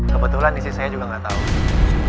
kebetulan isi saya juga gak tau